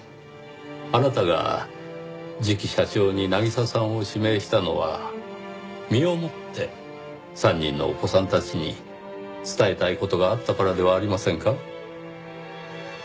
あなたが次期社長に渚さんを指名したのは身をもって３人のお子さんたちに伝えたい事があったからではありませんか？